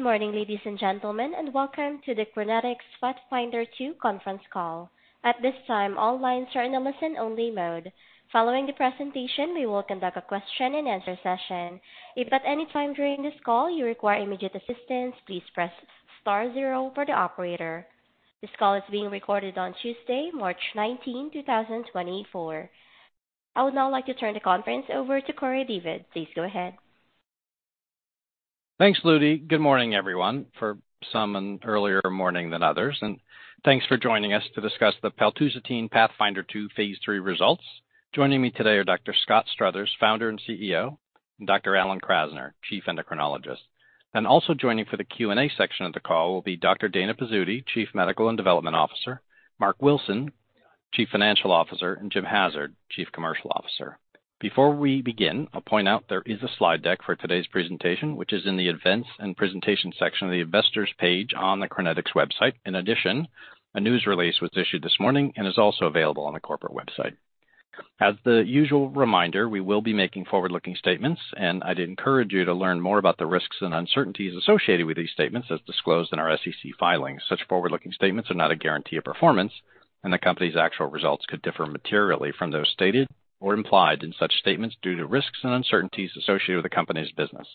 Good morning, ladies and gentlemen, and welcome to the Crinetics PATHFNDR-2 conference call. At this time, all lines are in a listen-only mode. Following the presentation, we will conduct a question-and-answer session. If at any time during this call you require immediate assistance, please press star zero for the operator. This call is being recorded on Tuesday, March nineteenth, two thousand and twenty-four. I would now like to turn the conference over to Corey Davis. Please go ahead. Thanks, Ludy. Good morning, everyone, for some, an earlier morning than others, and thanks for joining us to discuss the paltusotine PATHFNDR-2 phase III results. Joining me today are Dr. Scott Struthers, founder and CEO, and Dr. Alan Krasner, Chief Endocrinologist. And also joining for the Q&A section of the call will be Dr. Dana Pizzuti, Chief Medical and Development Officer, Marc Wilson, Chief Financial Officer, and Jim Hassard, Chief Commercial Officer. Before we begin, I'll point out there is a slide deck for today's presentation, which is in the Events and Presentation section of the Investors page on the Crinetics website. In addition, a news release was issued this morning and is also available on the corporate website. As the usual reminder, we will be making forward-looking statements, and I'd encourage you to learn more about the risks and uncertainties associated with these statements as disclosed in our SEC filings. Such forward-looking statements are not a guarantee of performance, and the company's actual results could differ materially from those stated or implied in such statements due to risks and uncertainties associated with the company's business.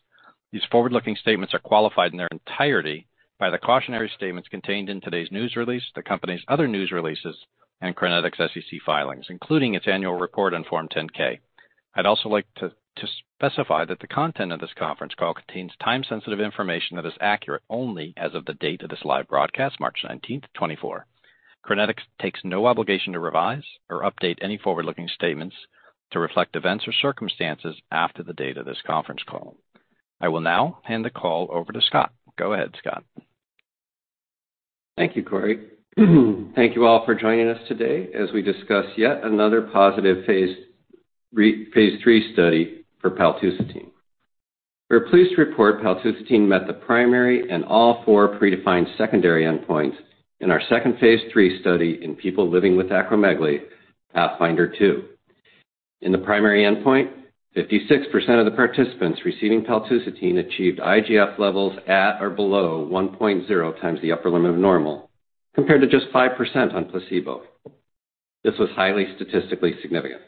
These forward-looking statements are qualified in their entirety by the cautionary statements contained in today's news release, the company's other news releases, and Crinetics SEC filings, including its annual report on Form 10-K. I'd also like to specify that the content of this conference call contains time-sensitive information that is accurate only as of the date of this live broadcast, March 19, 2024. Crinetics takes no obligation to revise or update any forward-looking statements to reflect events or circumstances after the date of this conference call. I will now hand the call over to Scott. Go ahead, Scott. Thank you, Corey. Thank you all for joining us today as we discuss yet another positive phase III study for paltusotine. We're pleased to report paltusotine met the primary and all four predefined secondary endpoints in our second phase III study in people living with acromegaly, PATHFNDR-2. In the primary endpoint, 56% of the participants receiving paltusotine achieved IGF levels at or below 1.0 times the upper limit of normal, compared to just 5% on placebo. This was highly statistically significant.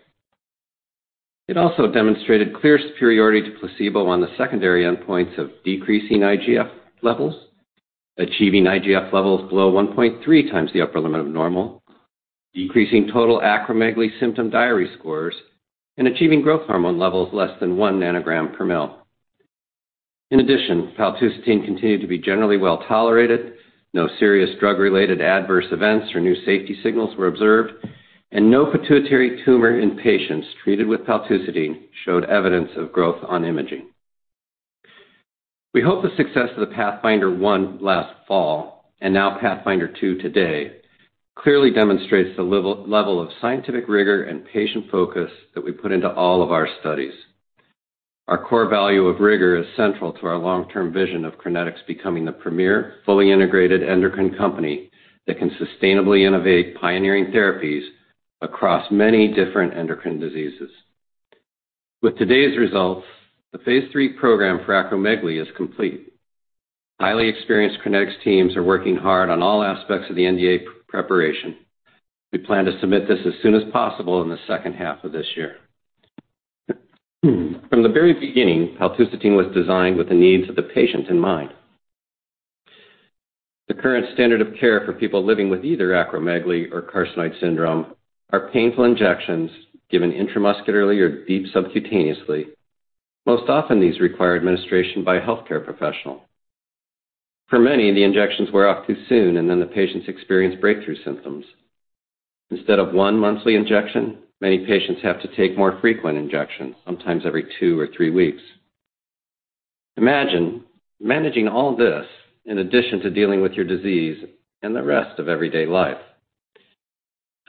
It also demonstrated clear superiority to placebo on the secondary endpoints of decreasing IGF levels, achieving IGF levels below 1.3 times the upper limit of normal, decreasing total acromegaly symptom diary scores, and achieving growth hormone levels less than 1 nanogram per mL. In addition, paltusotine continued to be generally well-tolerated. No serious drug-related adverse events or new safety signals were observed, and no pituitary tumor in patients treated with paltusotine showed evidence of growth on imaging. We hope the success of the PATHFNDR-1 last fall, and now Pathfinder Two today, clearly demonstrates the level of scientific rigor and patient focus that we put into all of our studies. Our core value of rigor is central to our long-term vision of Crinetics becoming the premier, fully integrated endocrine company that can sustainably innovate pioneering therapies across many different endocrine diseases. With today's results, the phase III program for acromegaly is complete. Highly experienced Crinetics teams are working hard on all aspects of the NDA preparation. We plan to submit this as soon as possible in the second half of this year. From the very beginning, paltusotine was designed with the needs of the patient in mind. The current standard of care for people living with either acromegaly or carcinoid syndrome are painful injections given intramuscularly or deep subcutaneously. Most often, these require administration by a healthcare professional. For many, the injections wear off too soon, and then the patients experience breakthrough symptoms. Instead of one monthly injection, many patients have to take more frequent injections, sometimes every two or three weeks. Imagine managing all this in addition to dealing with your disease and the rest of everyday life.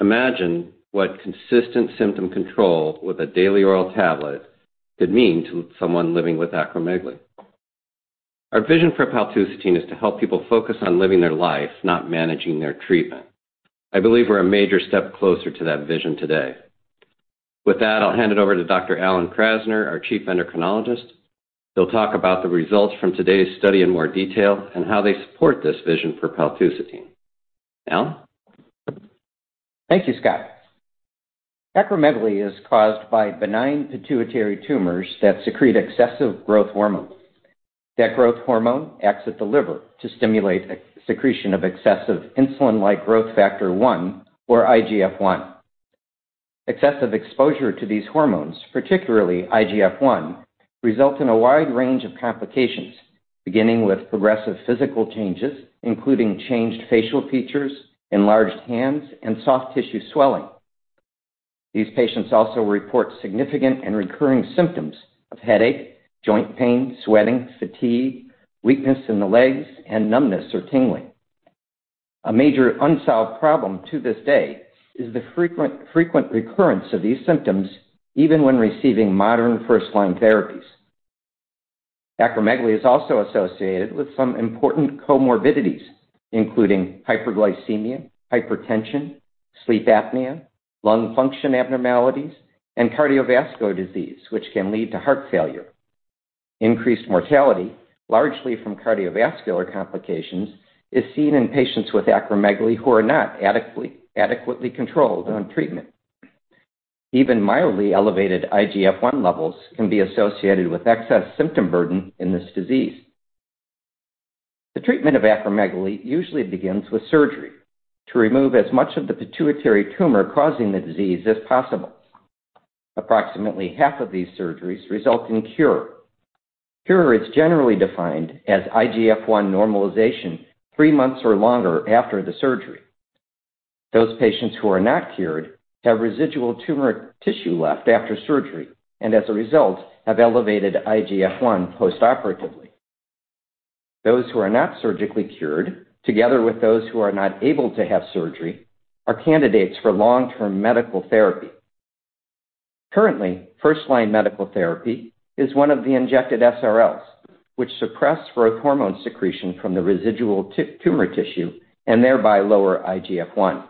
Imagine what consistent symptom control with a daily oral tablet could mean to someone living with acromegaly. Our vision for paltusotine is to help people focus on living their life, not managing their treatment. I believe we're a major step closer to that vision today. With that, I'll hand it over to Dr. Alan Krasner, our Chief Endocrinologist. He'll talk about the results from today's study in more detail and how they support this vision for paltusotine. Al? Thank you, Scott. Acromegaly is caused by benign pituitary tumors that secrete excessive growth hormones. That growth hormone acts at the liver to stimulate excessive secretion of excessive insulin-like growth factor one or IGF-1. Excessive exposure to these hormones, particularly IGF-1, results in a wide range of complications, beginning with progressive physical changes, including changed facial features, enlarged hands, and soft tissue swelling. These patients also report significant and recurring symptoms of headache, joint pain, sweating, fatigue, weakness in the legs, and numbness or tingling. A major unsolved problem to this day is the frequent, frequent recurrence of these symptoms, even when receiving modern first-line therapies. Acromegaly is also associated with some important comorbidities, including hyperglycemia, hypertension, sleep apnea, lung function abnormalities, and cardiovascular disease, which can lead to heart failure. Increased mortality, largely from cardiovascular complications, is seen in patients with acromegaly who are not adequately controlled on treatment. Even mildly elevated IGF-1 levels can be associated with excess symptom burden in this disease. The treatment of acromegaly usually begins with surgery to remove as much of the pituitary tumor causing the disease as possible. Approximately half of these surgeries result in cure. Cure is generally defined as IGF-1 normalization three months or longer after the surgery. Those patients who are not cured have residual tumor tissue left after surgery, and as a result, have elevated IGF-1 postoperatively. Those who are not surgically cured, together with those who are not able to have surgery, are candidates for long-term medical therapy. Currently, first-line medical therapy is one of the injected SRLs, which suppress growth hormone secretion from the residual tumor tissue and thereby lower IGF-1.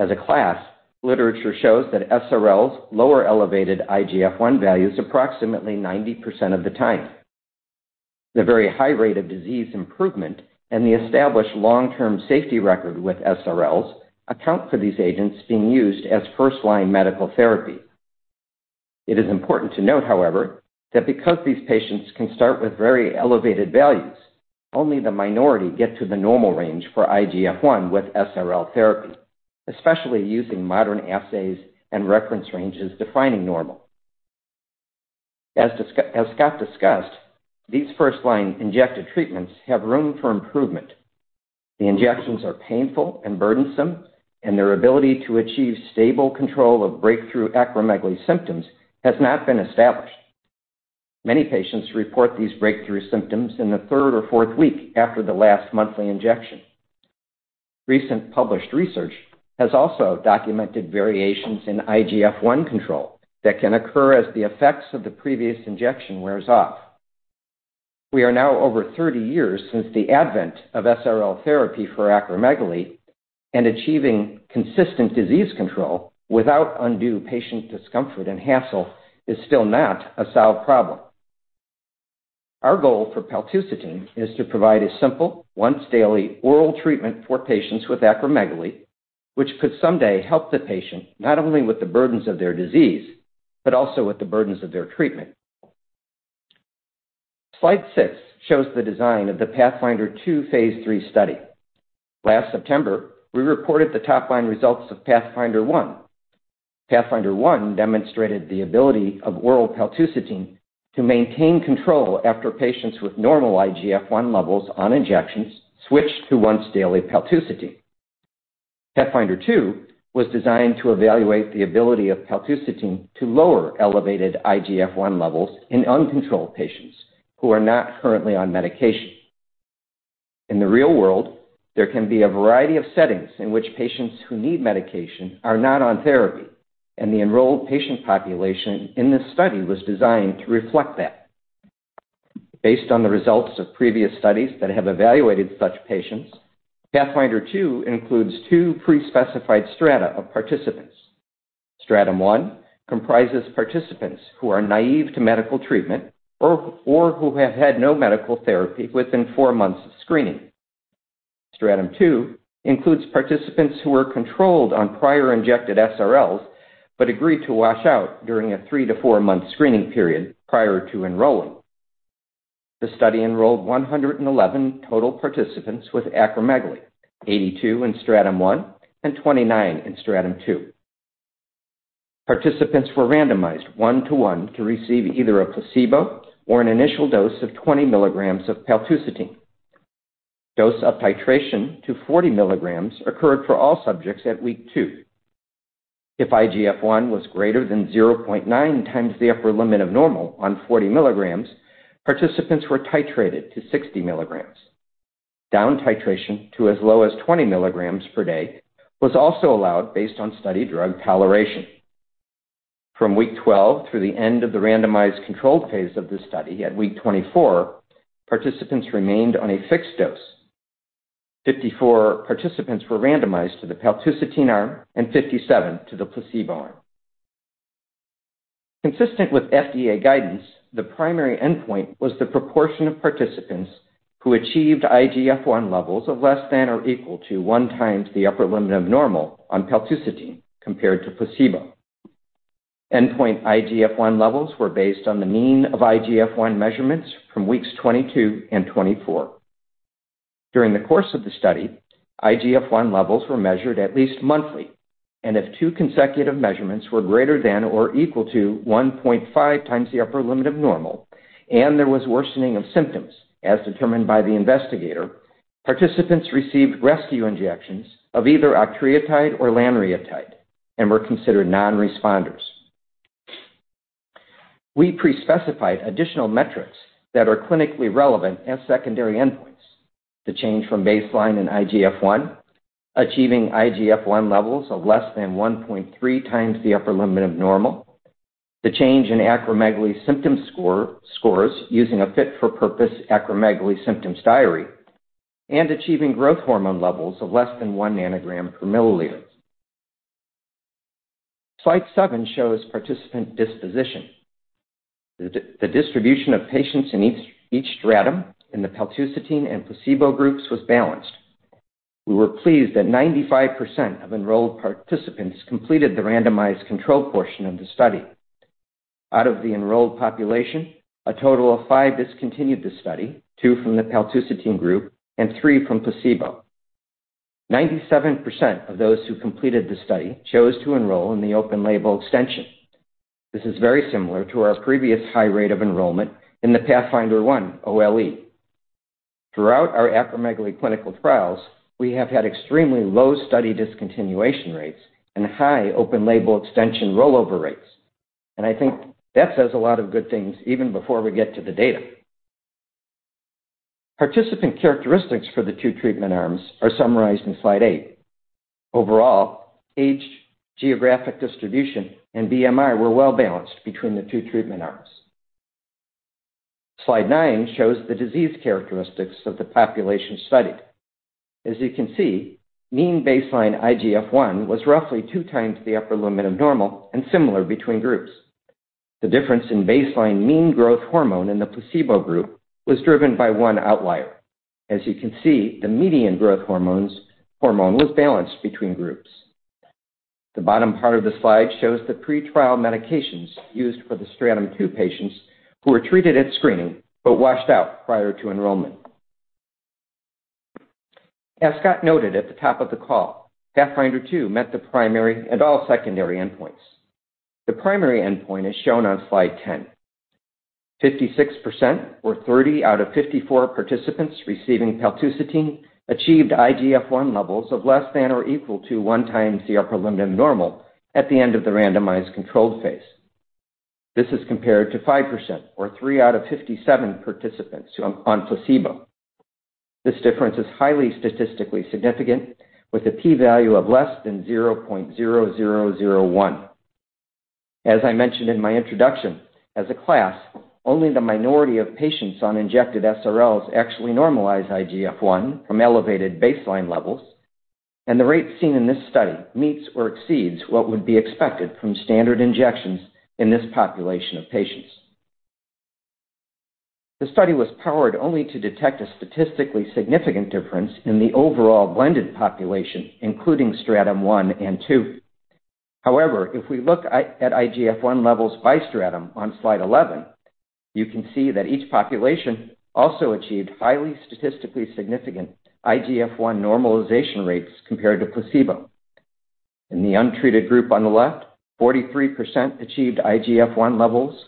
As a class, literature shows that SRLs lower elevated IGF-1 values approximately 90% of the time. The very high rate of disease improvement and the established long-term safety record with SRLs account for these agents being used as first-line medical therapy. It is important to note, however, that because these patients can start with very elevated values, only the minority get to the normal range for IGF-1 with SRL therapy, especially using modern assays and reference ranges defining normal. As Scott discussed, these first-line injected treatments have room for improvement. The injections are painful and burdensome, and their ability to achieve stable control of breakthrough acromegaly symptoms has not been established. Many patients report these breakthrough symptoms in the third or fourth week after the last monthly injection. Recent published research has also documented variations in IGF-1 control that can occur as the effects of the previous injection wears off. We are now over 30 years since the advent of SRL therapy for acromegaly, and achieving consistent disease control without undue patient discomfort and hassle is still not a solved problem. Our goal for paltusotine is to provide a simple, once-daily oral treatment for patients with acromegaly, which could someday help the patient not only with the burdens of their disease, but also with the burdens of their treatment. Slide six shows the design of the PATHFNDR-2 Phase III study. Last September, we reported the top-line results of PATHFNDR-1. PATHFNDR-1 demonstrated the ability of oral paltusotine to maintain control after patients with normal IGF-1 levels on injections switched to once-daily paltusotine. PATHFNDR-2 was designed to evaluate the ability of paltusotine to lower elevated IGF-1 levels in uncontrolled patients who are not currently on medication. In the real world, there can be a variety of settings in which patients who need medication are not on therapy, and the enrolled patient population in this study was designed to reflect that. Based on the results of previous studies that have evaluated such patients, PATHFNDR-2 includes two pre-specified strata of participants. Stratum 1 comprises participants who are naive to medical treatment or who have had no medical therapy within four months of screening. Stratum 2 includes participants who were controlled on prior injected SRLs but agreed to wash out during a three- to four-month screening period prior to enrolling. The study enrolled 111 total participants with acromegaly, 82 in Stratum 1 and 29 in Stratum 2. Participants were randomized 1:1 to receive either a placebo or an initial dose of 20 mg of paltusotine. Dose titration to 40 mg occurred for all subjects at week 2. If IGF-1 was greater than 0.9 times the upper limit of normal on 40 mg, participants were titrated to 60 mg. Down titration to as low as 20 mg per day was also allowed based on study drug toleration. From week 12 through the end of the randomized controlled phase of this study at week 24, participants remained on a fixed dose. 54 participants were randomized to the paltusotine arm and 57 to the placebo arm. Consistent with FDA guidance, the primary endpoint was the proportion of participants who achieved IGF-1 levels of less than or equal to 1 times the upper limit of normal on paltusotine compared to placebo. Endpoint IGF-1 levels were based on the mean of IGF-1 measurements from weeks 22 and 24. During the course of the study, IGF-1 levels were measured at least monthly, and if two consecutive measurements were greater than or equal to 1.5 times the upper limit of normal, and there was worsening of symptoms, as determined by the investigator, participants received rescue injections of either octreotide or lanreotide and were considered non-responders. We pre-specified additional metrics that are clinically relevant as secondary endpoints. The change from baseline in IGF-1, achieving IGF-1 levels of less than 1.3 times the upper limit of normal.... The change in acromegaly symptom score, scores using a fit-for-purpose acromegaly symptoms diary, and achieving growth hormone levels of less than 1 ng/mL. Slide seven shows participant disposition. The distribution of patients in each stratum in the paltusotine and placebo groups was balanced. We were pleased that 95% of enrolled participants completed the randomized controlled portion of the study. Out of the enrolled population, a total of 5 discontinued the study, 2 from the paltusotine group and 3 from placebo. 97% of those who completed the study chose to enroll in the open-label extension. This is very similar to our previous high rate of enrollment in the PATHFNDR-1 OLE. Throughout our acromegaly clinical trials, we have had extremely low study discontinuation rates and high open-label extension rollover rates, and I think that says a lot of good things even before we get to the data. Participant characteristics for the two treatment arms are summarized in slide eight. Overall, age, geographic distribution, and BMI were well-balanced between the two treatment arms. Slide nine shows the disease characteristics of the population studied. As you can see, mean baseline IGF-1 was roughly two times the upper limit of normal and similar between groups. The difference in baseline mean growth hormone in the placebo group was driven by one outlier. As you can see, the median growth hormone was balanced between groups. The bottom part of the slide shows the pre-trial medications used for the Stratum 2 patients who were treated at screening but washed out prior to enrollment. As Scott noted at the top of the call, PATHFNDR-2 met the primary and all secondary endpoints. The primary endpoint is shown on Slide 10. 56%, or 30 out of 54 participants receiving paltusotine, achieved IGF-1 levels of less than or equal to one times the upper limit of normal at the end of the randomized controlled phase. This is compared to 5%, or 3 out of 57 participants on placebo. This difference is highly statistically significant, with a p-value of less than 0.0001. As I mentioned in my introduction, as a class, only the minority of patients on injected SRLs actually normalize IGF-1 from elevated baseline levels, and the rate seen in this study meets or exceeds what would be expected from standard injections in this population of patients. The study was powered only to detect a statistically significant difference in the overall blended population, including Stratum 1 and 2. However, if we look at IGF-1 levels by stratum on slide 11, you can see that each population also achieved highly statistically significant IGF-1 normalization rates compared to placebo. In the untreated group on the left, 43% achieved IGF-1 levels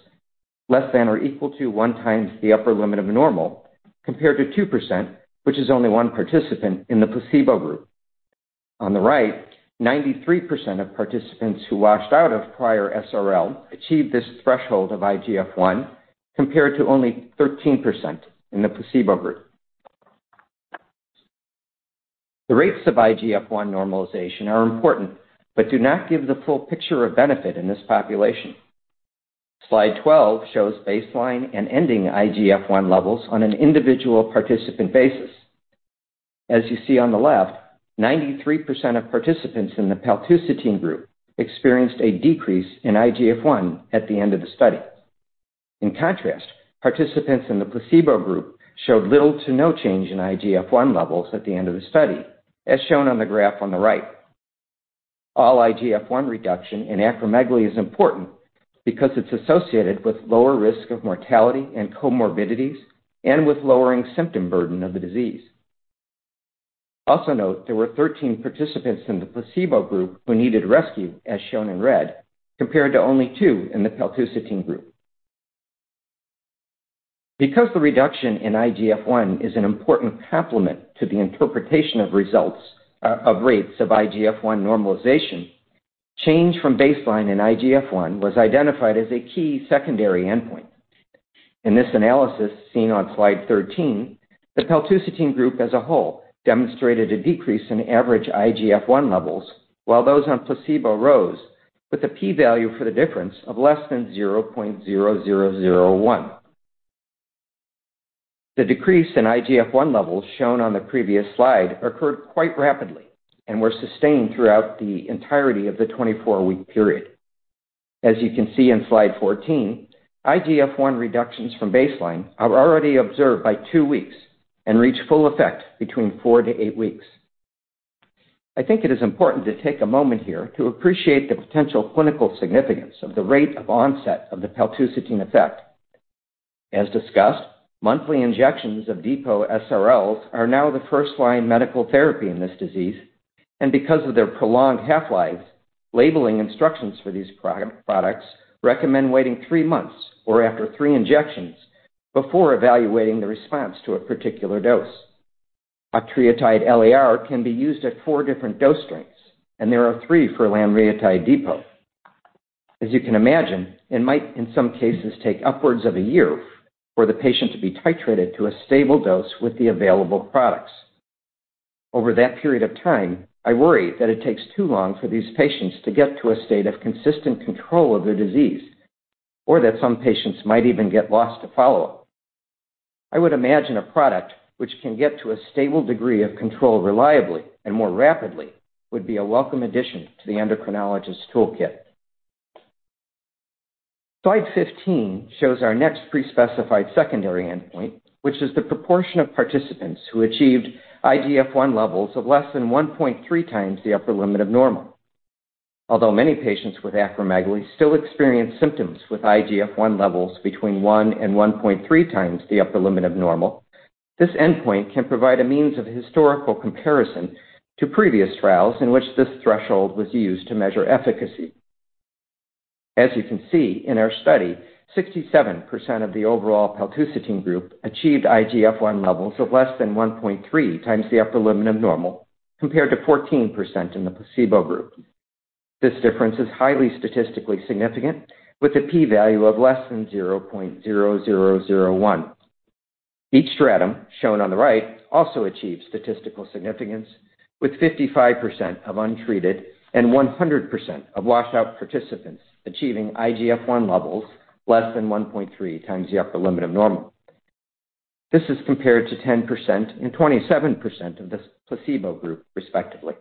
less than or equal to 1 times the upper limit of normal, compared to 2%, which is only 1 participant in the placebo group. On the right, 93% of participants who washed out of prior SRL achieved this threshold of IGF-1, compared to only 13% in the placebo group. The rates of IGF-1 normalization are important, but do not give the full picture of benefit in this population. Slide 12 shows baseline and ending IGF-1 levels on an individual participant basis. As you see on the left, 93% of participants in the paltusotine group experienced a decrease in IGF-1 at the end of the study. In contrast, participants in the placebo group showed little to no change in IGF-1 levels at the end of the study, as shown on the graph on the right. All IGF-1 reduction in acromegaly is important because it's associated with lower risk of mortality and comorbidities and with lowering symptom burden of the disease. Also note, there were 13 participants in the placebo group who needed rescue, as shown in red, compared to only two in the paltusotine group. Because the reduction in IGF-1 is an important complement to the interpretation of results of rates of IGF-1 normalization, change from baseline in IGF-1 was identified as a key secondary endpoint. In this analysis, seen on slide 13, the paltusotine group as a whole demonstrated a decrease in average IGF-1 levels, while those on placebo rose, with a p-value for the difference of less than 0.0001. The decrease in IGF-1 levels shown on the previous slide occurred quite rapidly and were sustained throughout the entirety of the 24-week period. As you can see in slide 14, IGF-1 reductions from baseline are already observed by 2 weeks and reach full effect between 4-8 weeks. I think it is important to take a moment here to appreciate the potential clinical significance of the rate of onset of the paltusotine effect. As discussed, monthly injections of depot SRLs are now the first-line medical therapy in this disease, and because of their prolonged half-lives, labeling instructions for these products recommend waiting 3 months or after 3 injections before evaluating the response to a particular dose. Octreotide LAR can be used at 4 different dose strengths, and there are 3 for lanreotide depot. As you can imagine, it might, in some cases, take upwards of a year for the patient to be titrated to a stable dose with the available products... Over that period of time, I worry that it takes too long for these patients to get to a state of consistent control of their disease, or that some patients might even get lost to follow-up. I would imagine a product which can get to a stable degree of control reliably and more rapidly would be a welcome addition to the endocrinologist's toolkit. Slide 15 shows our next pre-specified secondary endpoint, which is the proportion of participants who achieved IGF-1 levels of less than 1.3 times the upper limit of normal. Although many patients with acromegaly still experience symptoms with IGF-1 levels between 1 and 1.3 times the upper limit of normal, this endpoint can provide a means of historical comparison to previous trials in which this threshold was used to measure efficacy. As you can see in our study, 67% of the overall paltusotine group achieved IGF-1 levels of less than 1.3 times the upper limit of normal, compared to 14% in the placebo group. This difference is highly statistically significant, with a p-value of less than 0.0001. Each stratum, shown on the right, also achieves statistical significance, with 55% of untreated and 100% of washout participants achieving IGF-1 levels less than 1.3 times the upper limit of normal. This is compared to 10% and 27% of the placebo group, respectively.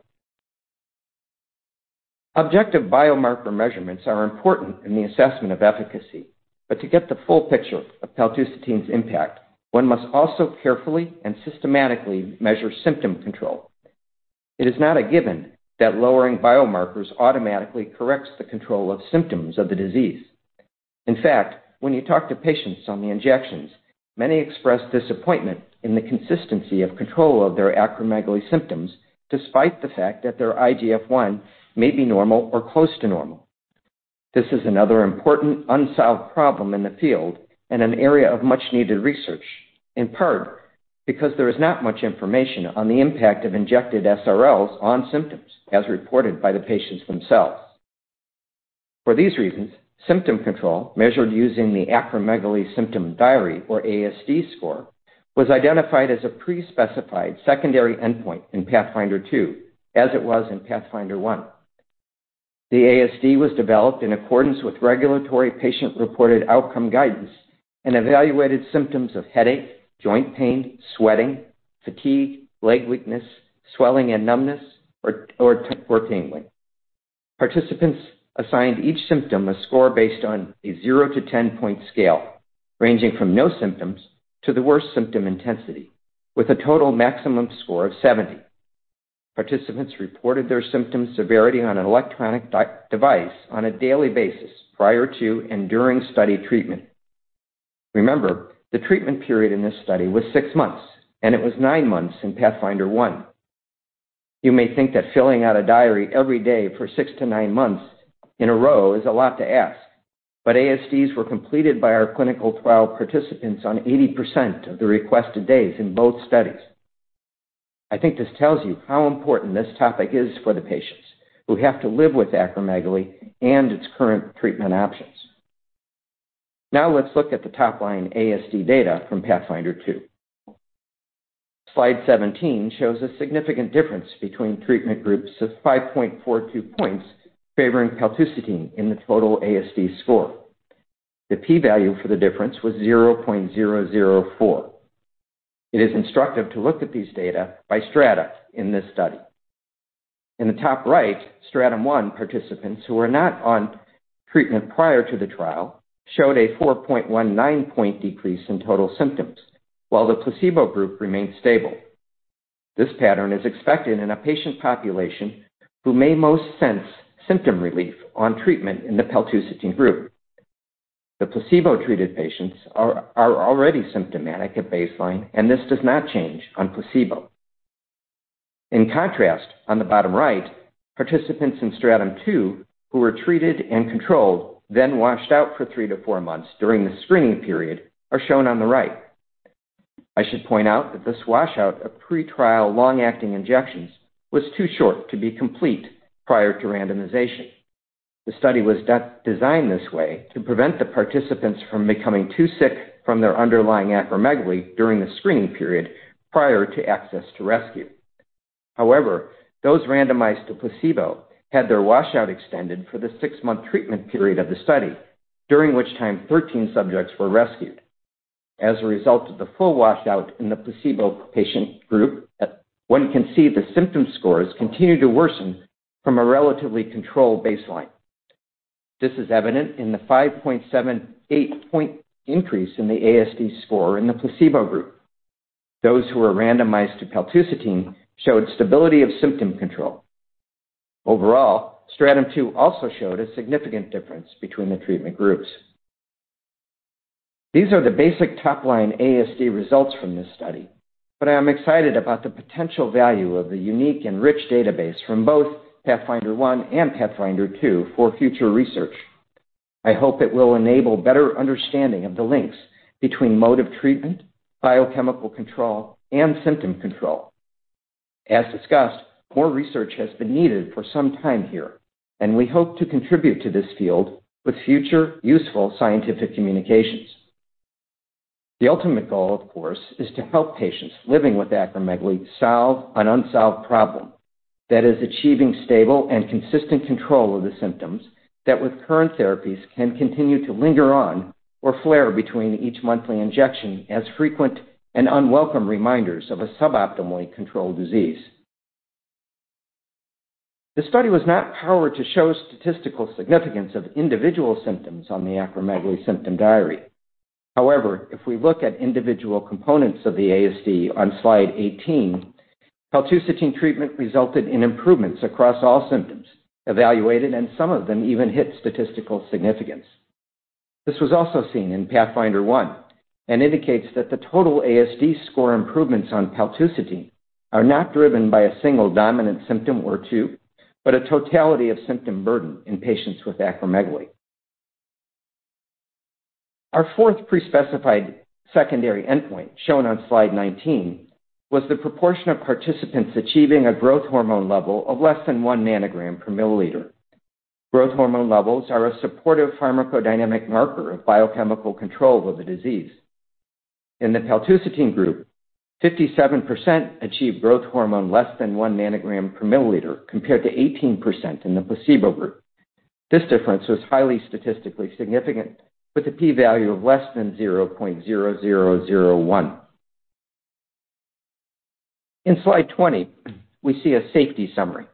Objective biomarker measurements are important in the assessment of efficacy, but to get the full picture of paltusotine's impact, one must also carefully and systematically measure symptom control. It is not a given that lowering biomarkers automatically corrects the control of symptoms of the disease. In fact, when you talk to patients on the injections, many express disappointment in the consistency of control of their acromegaly symptoms, despite the fact that their IGF-1 may be normal or close to normal. This is another important unsolved problem in the field and an area of much-needed research, in part because there is not much information on the impact of injected SRLs on symptoms, as reported by the patients themselves. For these reasons, symptom control, measured using the Acromegaly Symptom Diary, or ASD score, was identified as a pre-specified secondary endpoint in PATHFNDR-2, as it was in PATHFNDR-1. The ASD was developed in accordance with regulatory patient-reported outcome guidance and evaluated symptoms of headache, joint pain, sweating, fatigue, leg weakness, swelling and numbness, or toe pain. Participants assigned each symptom a score based on a 0 to 10-point scale, ranging from no symptoms to the worst symptom intensity, with a total maximum score of 70. Participants reported their symptom severity on an electronic device on a daily basis prior to and during study treatment. Remember, the treatment period in this study was six months, and it was nine months in PATHFNDR-1. You may think that filling out a diary every day for six to nine months in a row is a lot to ask, but ASDs were completed by our clinical trial participants on 80% of the requested days in both studies. I think this tells you how important this topic is for the patients who have to live with acromegaly and its current treatment options. Now let's look at the top-line ASD data from PATHFNDR-2. Slide 17 shows a significant difference between treatment groups of 5.42 points favoring paltusotine in the total ASD score. The p-value for the difference was 0.004. It is instructive to look at these data by strata in this study. In the top right, Stratum 1 participants who were not on treatment prior to the trial showed a 4.19-point decrease in total symptoms, while the placebo group remained stable. This pattern is expected in a patient population who may most sense symptom relief on treatment in the paltusotine group. The placebo-treated patients are already symptomatic at baseline, and this does not change on placebo. In contrast, on the bottom right, participants in Stratum 2, who were treated and controlled then washed out for 3-4 months during the screening period, are shown on the right. I should point out that this washout of pretrial long-acting injections was too short to be complete prior to randomization. The study was designed this way to prevent the participants from becoming too sick from their underlying acromegaly during the screening period prior to access to rescue. However, those randomized to placebo had their washout extended for the six-month treatment period of the study, during which time 13 subjects were rescued. As a result of the full washout in the placebo patient group, one can see the symptom scores continued to worsen from a relatively controlled baseline. This is evident in the 5.78-point increase in the ASD score in the placebo group. Those who were randomized to paltusotine showed stability of symptom control. Overall, Stratum 2 also showed a significant difference between the treatment groups. These are the basic top-line ASD results from this study, but I am excited about the potential value of the unique and rich database from both PATHFNDR-1 and PATHFNDR-2 for future research. I hope it will enable better understanding of the links between mode of treatment, biochemical control, and symptom control. As discussed, more research has been needed for some time here, and we hope to contribute to this field with future useful scientific communications. The ultimate goal, of course, is to help patients living with acromegaly solve an unsolved problem, that is, achieving stable and consistent control of the symptoms that, with current therapies, can continue to linger on or flare between each monthly injection as frequent and unwelcome reminders of a suboptimally controlled disease. The study was not powered to show statistical significance of individual symptoms on the Acromegaly Symptom Diary. However, if we look at individual components of the ASD on slide 18, paltusotine treatment resulted in improvements across all symptoms evaluated, and some of them even hit statistical significance. This was also seen in PATHFNDR-1, and indicates that the total ASD score improvements on paltusotine are not driven by a single dominant symptom or two, but a totality of symptom burden in patients with acromegaly. Our fourth pre-specified secondary endpoint, shown on slide 19, was the proportion of participants achieving a growth hormone level of less than one nanogram per milliliter. Growth hormone levels are a supportive pharmacodynamic marker of biochemical control of the disease. In the paltusotine group, 57% achieved growth hormone less than one nanogram per milliliter, compared to 18% in the placebo group. This difference was highly statistically significant, with a P value of less than 0.0001. In slide 20, we see a safety summary.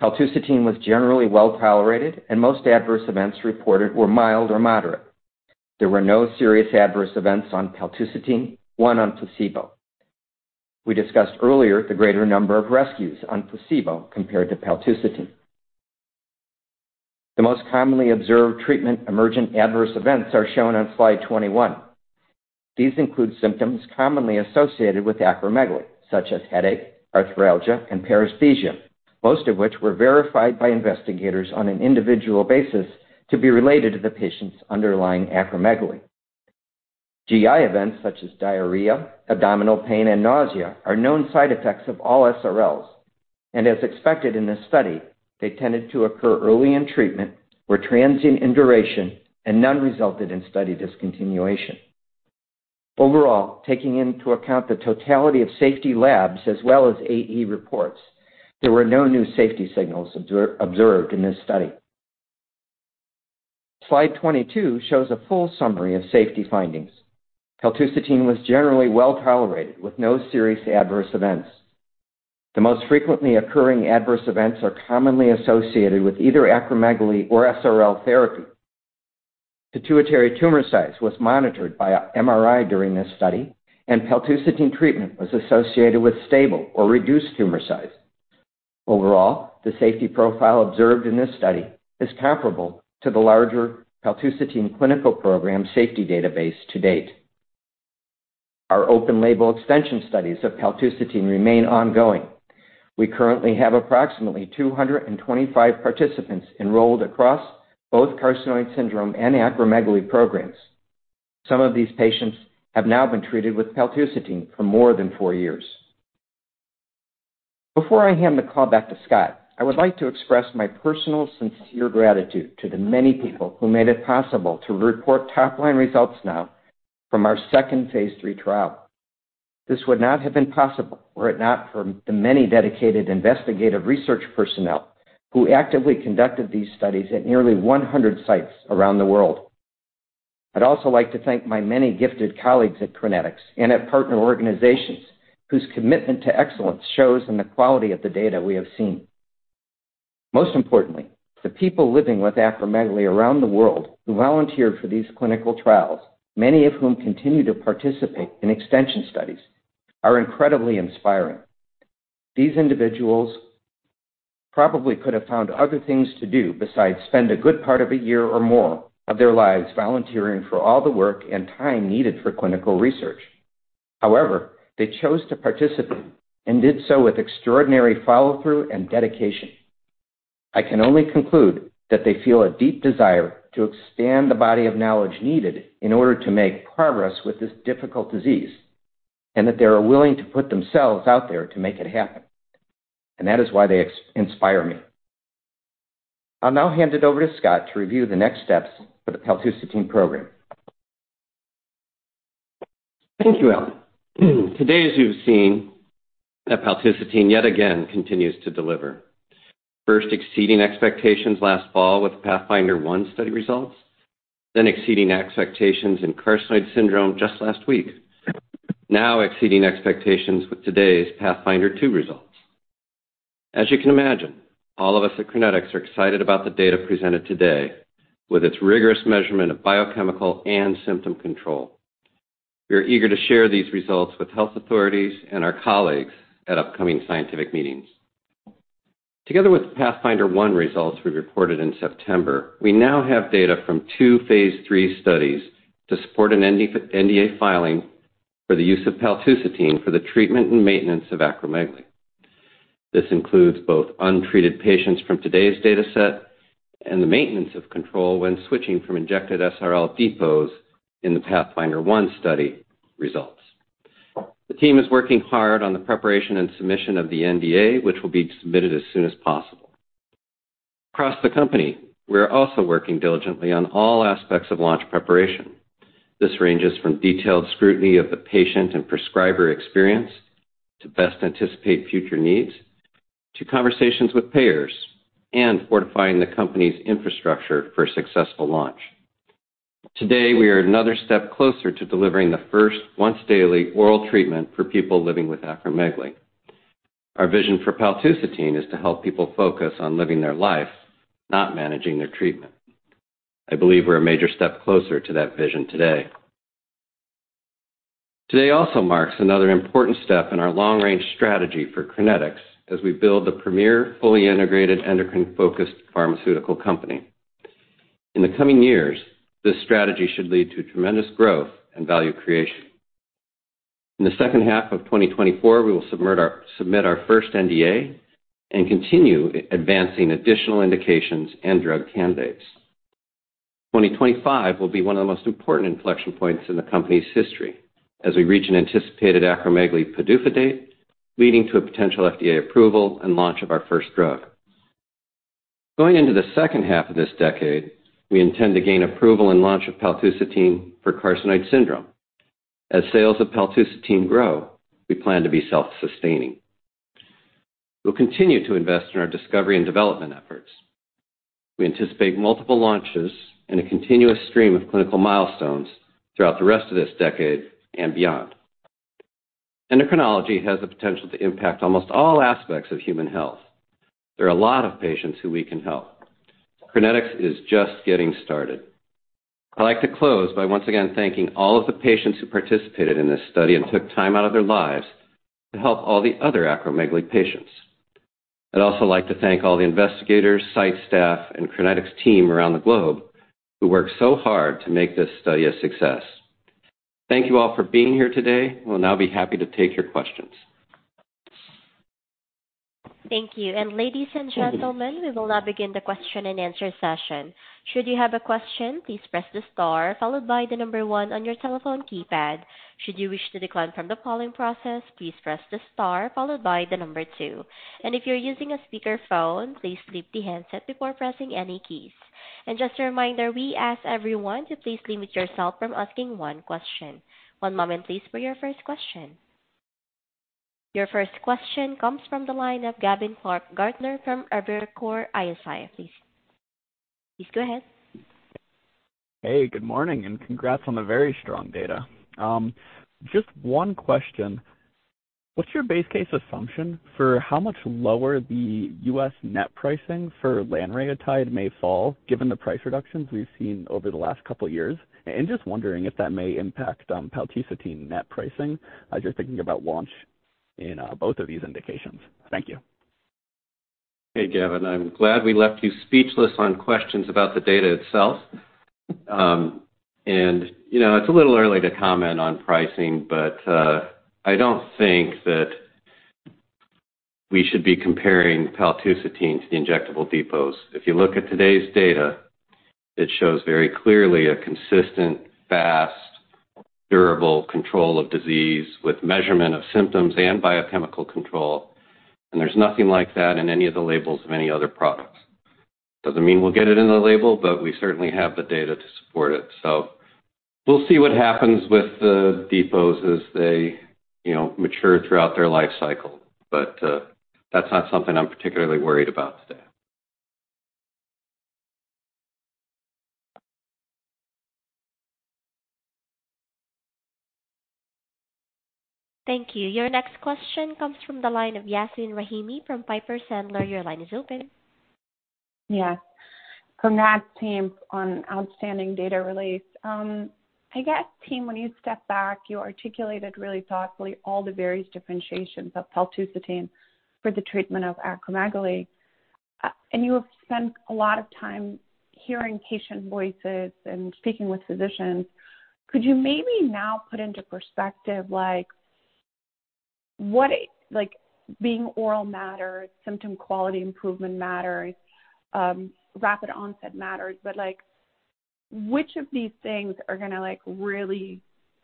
Paltusotine was generally well tolerated, and most adverse events reported were mild or moderate. There were no serious adverse events on paltusotine, one on placebo. We discussed earlier the greater number of rescues on placebo compared to paltusotine. The most commonly observed treatment-emergent adverse events are shown on slide 21. These include symptoms commonly associated with acromegaly, such as headache, arthralgia, and paresthesia, most of which were verified by investigators on an individual basis to be related to the patient's underlying acromegaly. GI events such as diarrhea, abdominal pain, and nausea are known side effects of all SRLs, and as expected in this study, they tended to occur early in treatment, were transient in duration, and none resulted in study discontinuation. Overall, taking into account the totality of safety labs as well as AE reports, there were no new safety signals observed in this study. Slide 22 shows a full summary of safety findings. Paltusotine was generally well tolerated, with no serious adverse events. The most frequently occurring adverse events are commonly associated with either acromegaly or SRL therapy. Pituitary tumor size was monitored by an MRI during this study, and paltusotine treatment was associated with stable or reduced tumor size. Overall, the safety profile observed in this study is comparable to the larger paltusotine clinical program safety database to date. Our open label extension studies of paltusotine remain ongoing. We currently have approximately 225 participants enrolled across both carcinoid syndrome and acromegaly programs. Some of these patients have now been treated with paltusotine for more than four years. Before I hand the call back to Scott, I would like to express my personal, sincere gratitude to the many people who made it possible to report top-line results now from our second phase III trial. This would not have been possible were it not for the many dedicated investigative research personnel who actively conducted these studies at nearly 100 sites around the world. I'd also like to thank my many gifted colleagues at Crinetics and at partner organizations, whose commitment to excellence shows in the quality of the data we have seen. Most importantly, the people living with acromegaly around the world who volunteered for these clinical trials, many of whom continue to participate in extension studies, are incredibly inspiring. These individuals probably could have found other things to do besides spend a good part of a year or more of their lives volunteering for all the work and time needed for clinical research. However, they chose to participate and did so with extraordinary follow-through and dedication. I can only conclude that they feel a deep desire to expand the body of knowledge needed in order to make progress with this difficult disease, and that they are willing to put themselves out there to make it happen. That is why they inspire me. I'll now hand it over to Scott to review the next steps for the paltusotine program. Thank you, Alan. Today, as you've seen, paltusotine yet again continues to deliver. First, exceeding expectations last fall with the PATHFNDR-1 study results, then exceeding expectations in carcinoid syndrome just last week. Now exceeding expectations with today's PATHFNDR-2 results. As you can imagine, all of us at Crinetics are excited about the data presented today, with its rigorous measurement of biochemical and symptom control. We are eager to share these results with health authorities and our colleagues at upcoming scientific meetings. Together with the PATHFNDR-1 results we reported in September, we now have data from two phase III studies to support an NDA filing for the use of paltusotine for the treatment and maintenance of acromegaly. This includes both untreated patients from today's dataset and the maintenance of control when switching from injected SRL depots in the PATHFNDR-1 study results. The team is working hard on the preparation and submission of the NDA, which will be submitted as soon as possible. Across the company, we are also working diligently on all aspects of launch preparation. This ranges from detailed scrutiny of the patient and prescriber experience, to best anticipate future needs, to conversations with payers and fortifying the company's infrastructure for a successful launch. Today, we are another step closer to delivering the first once daily oral treatment for people living with acromegaly. Our vision for paltusotine is to help people focus on living their life, not managing their treatment. I believe we're a major step closer to that vision today. Today also marks another important step in our long-range strategy for Crinetics, as we build the premier, fully integrated, endocrine-focused pharmaceutical company. In the coming years, this strategy should lead to tremendous growth and value creation. In the second half of 2024, we will submit our first NDA and continue advancing additional indications and drug candidates. 2025 will be one of the most important inflection points in the company's history as we reach an anticipated acromegaly PDUFA date, leading to a potential FDA approval and launch of our first drug. Going into the second half of this decade, we intend to gain approval and launch of paltusotine for carcinoid syndrome. As sales of paltusotine grow, we plan to be self-sustaining. We'll continue to invest in our discovery and development efforts. We anticipate multiple launches and a continuous stream of clinical milestones throughout the rest of this decade and beyond. Endocrinology has the potential to impact almost all aspects of human health. There are a lot of patients who we can help. Crinetics is just getting started. I'd like to close by once again thanking all of the patients who participated in this study and took time out of their lives to help all the other acromegaly patients. I'd also like to thank all the investigators, site staff, and Crinetics team around the globe who worked so hard to make this study a success. Thank you all for being here today. We'll now be happy to take your questions. Thank you. And ladies and gentlemen, we will now begin the question-and-answer session. Should you have a question, please press the star followed by the one on your telephone keypad. Should you wish to decline from the polling process, please press the star followed by the two. And if you're using a speakerphone, please leave the handset before pressing any keys. And just a reminder, we ask everyone to please limit yourself from asking one question. One moment, please, for your first question. Your first question comes from the line of Gavin Clark-Gartner from Evercore ISI. Please, please go ahead. Hey, good morning, and congrats on the very strong data. Just one question. What's your base case assumption for how much lower the U.S. net pricing for lanreotide may fall, given the price reductions we've seen over the last couple of years? And just wondering if that may impact paltusotine net pricing as you're thinking about launch in both of these indications. Thank you. Hey, Gavin, I'm glad we left you speechless on questions about the data itself. And, you know, it's a little early to comment on pricing, but, I don't think that we should be comparing paltusotine to the injectable depots. If you look at today's data, it shows very clearly a consistent, fast, durable control of disease with measurement of symptoms and biochemical control, and there's nothing like that in any of the labels of any other products. Doesn't mean we'll get it in the label, but we certainly have the data to support it. So we'll see what happens with the depots as they, you know, mature throughout their lifecycle, but, that's not something I'm particularly worried about today. Thank you. Your next question comes from the line of Yasmeen Rahimi from Piper Sandler. Your line is open. Yeah. Congrats, team, on outstanding data release. I guess, team, when you step back, you articulated really thoughtfully all the various differentiations of paltusotine for the treatment of acromegaly, and you have spent a lot of time hearing patient voices and speaking with physicians. Could you maybe now put into perspective, like, what... Like, being oral matters, symptom quality improvement matters, rapid onset matters, but, like, which of these things are gonna, like, really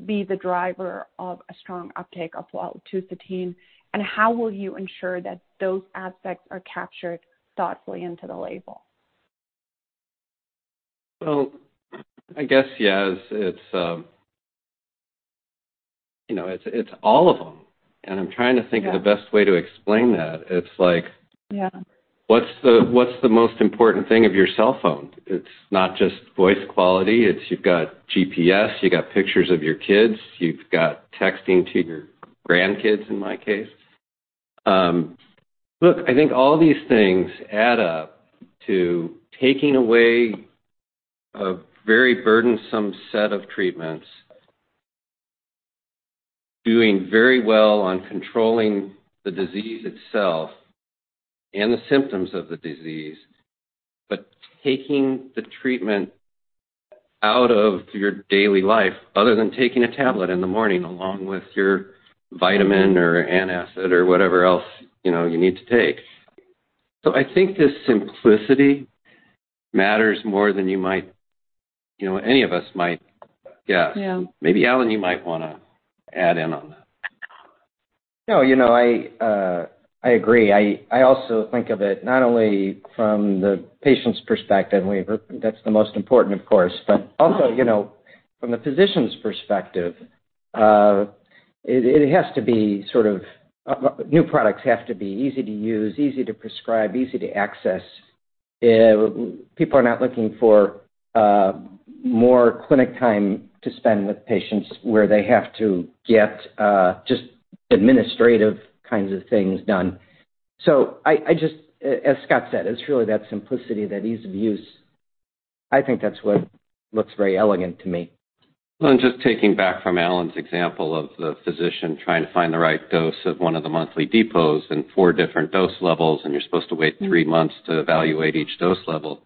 be the driver of a strong uptake of paltusotine, and how will you ensure that those aspects are captured thoughtfully into the label? Well, I guess, Yas, it's, you know, it's all of them, and I'm trying to think- Yeah of the best way to explain that. It's like- Yeah. What's the most important thing of your cell phone? It's not just voice quality, it's you've got GPS, you've got pictures of your kids, you've got texting to your grandkids, in my case. Look, I think all these things add up to taking away a very burdensome set of treatments, doing very well on controlling the disease itself and the symptoms of the disease, but taking the treatment out of your daily life, other than taking a tablet in the morning along with your vitamin or antacid or whatever else, you know, you need to take. So I think this simplicity matters more than you might, you know, any of us might guess. Yeah. Maybe, Alan, you might wanna add in on that.... No, you know, I, I agree. I also think of it not only from the patient's perspective, that's the most important, of course, but also, you know, from the physician's perspective, it has to be sort of, new products have to be easy to use, easy to prescribe, easy to access. People are not looking for, more clinic time to spend with patients where they have to get, just administrative kinds of things done. So I just, as Scott said, it's really that simplicity, that ease of use. I think that's what looks very elegant to me. Just taking back from Alan's example of the physician trying to find the right dose of one of the monthly depots and four different dose levels, and you're supposed to wait three months to evaluate each dose level.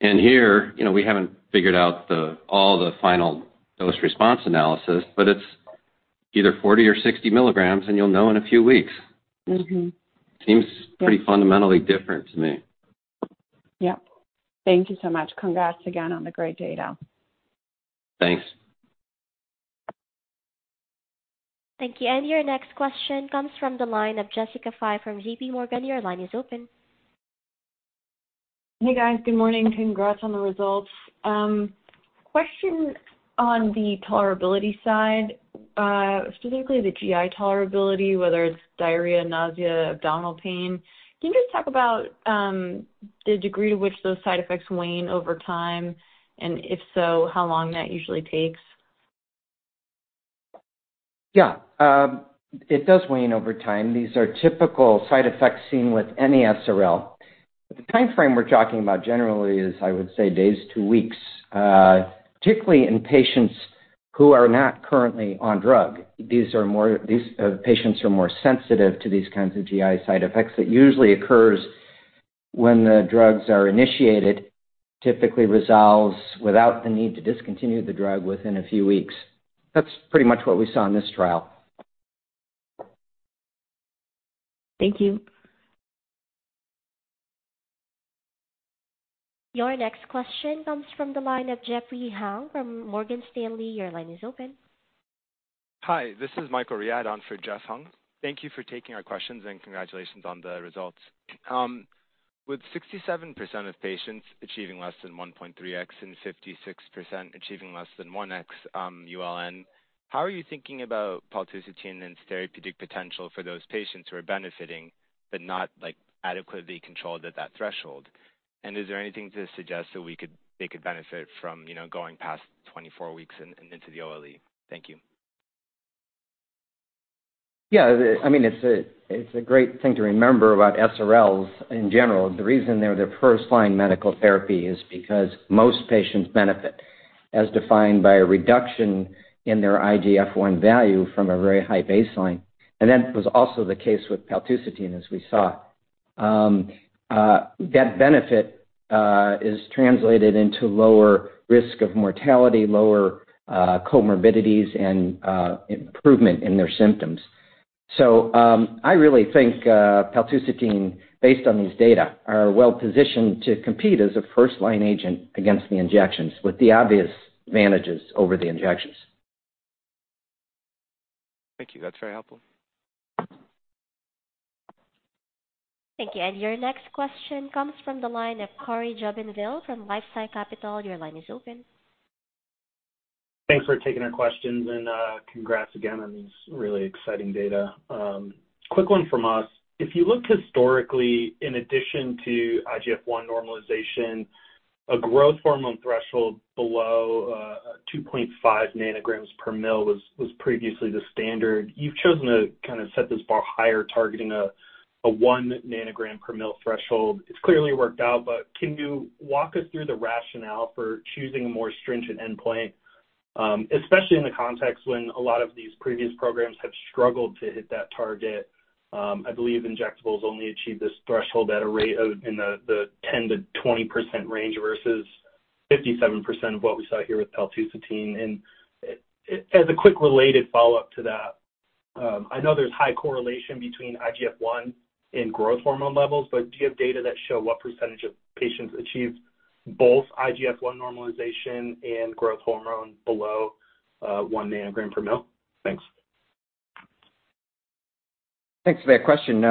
Here, you know, we haven't figured out all the final dose response analysis, but it's either 40 or 60 milligrams, and you'll know in a few weeks. Mm-hmm. Seems pretty fundamentally different to me. Yep. Thank you so much. Congrats again on the great data. Thanks. Thank you. And your next question comes from the line of Jessica Fye from JPMorgan. Your line is open. Hey, guys. Good morning. Congrats on the results. Question on the tolerability side, specifically the GI tolerability, whether it's diarrhea, nausea, abdominal pain. Can you just talk about the degree to which those side effects wane over time, and if so, how long that usually takes? Yeah, it does wane over time. These are typical side effects seen with any SRL. The timeframe we're talking about generally is, I would say, days to weeks, particularly in patients who are not currently on drug. These patients are more sensitive to these kinds of GI side effects. It usually occurs when the drugs are initiated, typically resolves without the need to discontinue the drug within a few weeks. That's pretty much what we saw in this trial. Thank you. Your next question comes from the line of Jeffrey Hung from Morgan Stanley. Your line is open. Hi, this is Michael Riad on for Jeff Hung. Thank you for taking our questions, and congratulations on the results. With 67% of patients achieving less than 1.3x and 56% achieving less than 1x ULN, how are you thinking about paltusotine and therapeutic potential for those patients who are benefiting, but not, like, adequately controlled at that threshold? And is there anything to suggest that they could benefit from, you know, going past 24 weeks and into the OLE? Thank you. Yeah, I mean, it's a, it's a great thing to remember about SRLs in general. The reason they're the first-line medical therapy is because most patients benefit, as defined by a reduction in their IGF-1 value from a very high baseline. And that was also the case with paltusotine, as we saw. That benefit is translated into lower risk of mortality, lower comorbidities and improvement in their symptoms. I really think paltusotine, based on these data, are well positioned to compete as a first-line agent against the injections, with the obvious advantages over the injections. Thank you. That's very helpful. Thank you. And your next question comes from the line of Cory Jubinville from LifeSci Capital. Your line is open. Thanks for taking our questions, and congrats again on these really exciting data. Quick one from us. If you look historically, in addition to IGF-1 normalization, a growth hormone threshold below 2.5 ng/mL was previously the standard. You've chosen to kind of set this bar higher, targeting a 1 ng/mL threshold. It's clearly worked out, but can you walk us through the rationale for choosing a more stringent endpoint? Especially in the context when a lot of these previous programs have struggled to hit that target. I believe injectables only achieve this threshold at a rate of in the 10%-20% range versus 57% of what we saw here with paltusotine. And, as a quick related follow-up to that, I know there's high correlation between IGF-1 and growth hormone levels, but do you have data that show what percentage of patients achieve both IGF-1 normalization and growth hormone below 1 nanogram per ml? Thanks. Thanks for that question.